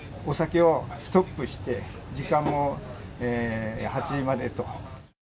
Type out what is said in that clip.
お酒をストップして、時間も８時までと。